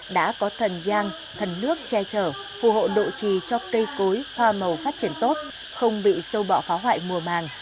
đã có thần giang thần nước che trở phù hộ độ trì cho cây cối hoa màu phát triển tốt không bị sâu bọ phá hoại mùa màng